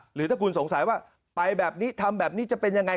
หรือถ้าคุณสงสัยว่าไปแบบนี้ทำแบบนี้จะเป็นยังไง